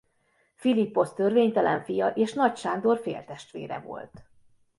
Philipposz törvénytelen fia és Nagy Sándor féltestvére volt.